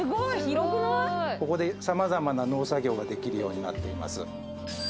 ここでさまざまな農作業ができるようになっています。